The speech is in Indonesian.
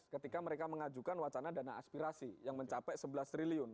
ketika mereka mengajukan wacana dana aspirasi yang mencapai rp sebelas triliun